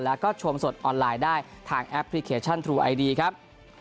แล้วก็ชมสดออนไลน์ได้ทางแอปพลิเคชันทรูไอดีครับ